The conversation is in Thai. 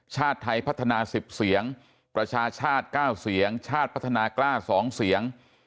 ชาติไทยพัฒนา๑๐เสียงประชาชาติ๙เสียงชาติพัฒนากล้า๒เสียง